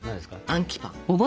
「アンキパン」！